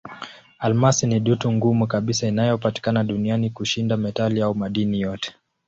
Almasi ni dutu ngumu kabisa inayopatikana duniani kushinda metali au madini yote.